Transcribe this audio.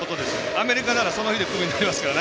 アメリカなんかはその日にクビになりますから。